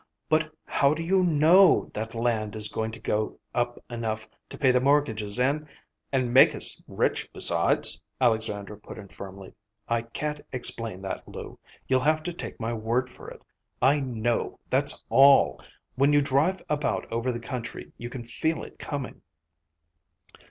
"But how do you know that land is going to go up enough to pay the mortgages and—" "And make us rich besides?" Alexandra put in firmly. "I can't explain that, Lou. You'll have to take my word for it. I know, that's all. When you drive about over the country you can feel it coming."